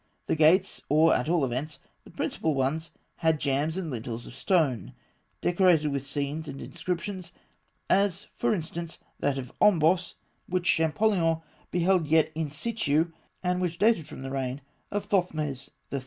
The gates, or at all events the principal ones, had jambs and lintels of stone, decorated with scenes and inscriptions; as, for instance, that of Ombos, which Champollion beheld yet in situ, and which dated from the reign of Thothmes III.